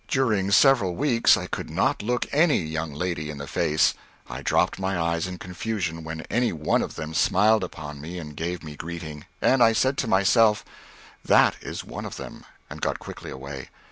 During several weeks I could not look any young lady in the face; I dropped my eyes in confusion when any one of them smiled upon me and gave me greeting; and I said to myself, "That is one of them," and got quickly away.